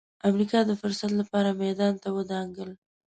امریکا د فرصت لپاره میدان ته ودانګل.